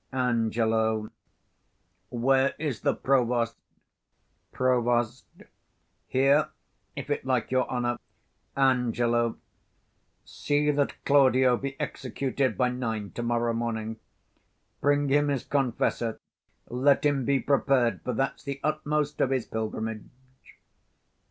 Ang. Where is the provost? Prov. Here, if it like your honour. Ang. See that Claudio Be executed by nine to morrow morning: Bring him his confessor, let him be prepared; 35 For that's the utmost of his pilgrimage.